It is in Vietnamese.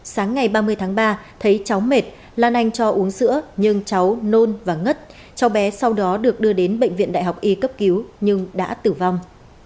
sáng ngày ba mươi tháng ba thấy cháu mệt lan anh cho uống sữa nhưng cháu nôn và ngất cháu bé sau đó được đưa đến bệnh viện đại học y cấp cứu nhưng đã tử vong